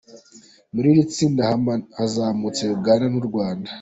Muri iri tsinda hazamutse Uganda n’u Rwanda.